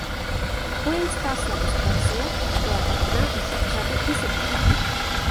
Vojenská slabost Persie byla patrná už řadu desetiletí.